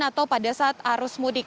atau pada saat arus mudik